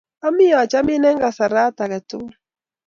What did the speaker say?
ami achamin eng' kasarat ang a tugul